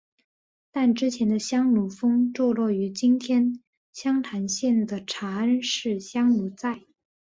但之前的香炉峰坐落于今天湘潭县的茶恩寺香炉寨。